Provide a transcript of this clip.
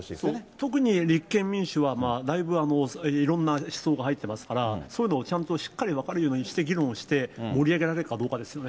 特に立憲民主は、だいぶ、いろんな思想が入ってますから、そういうのをちゃんとしっかり分かるようにして議論をして、盛り上げられるかどうかですよね。